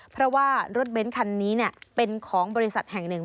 เพราะว่ารถเบ้นคันนี้เป็นของบริษัทแห่งหนึ่ง